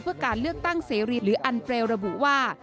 เพื่อการเลือกตั้งเสรีหรืออันเรลระบุว่า